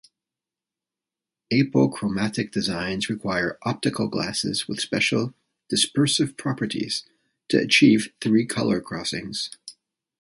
Apochromatic designs require optical glasses with special dispersive properties to achieve three color crossings.